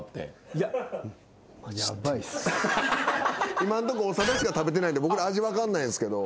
今んとこ長田しか食べてないんで僕ら味分かんないんすけど。